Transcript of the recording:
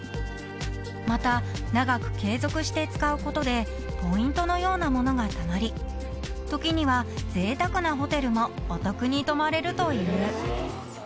［また長く継続して使うことでポイントのようなものがたまり時にはぜいたくなホテルもお得に泊まれるという］